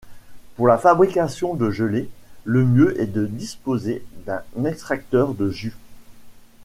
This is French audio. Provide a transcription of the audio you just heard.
Pour la fabrication de gelée, le mieux est de disposer d'un extracteur de jus.